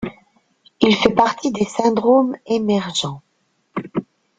Il fait partie des syndromes émergents.